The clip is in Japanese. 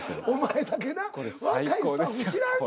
お前だけな。